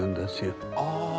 ああ。